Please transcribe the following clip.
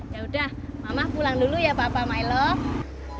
yaudah mama pulang dulu ya papa my love